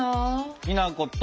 きな粉と。